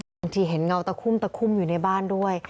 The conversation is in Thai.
บางทีเห็นเงาตะคุ่มตะคุ่มอยู่ในบ้านด้วย